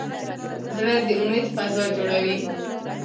زړه د امید فضا جوړوي.